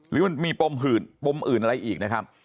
หรือมันมีปมอื่นอะไรอีกนะครับ